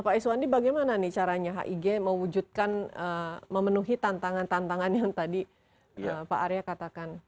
pak iswandi bagaimana nih caranya hig mewujudkan memenuhi tantangan tantangan yang tadi pak arya katakan